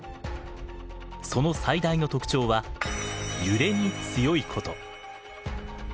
その最大の特徴は揺れに強いこと。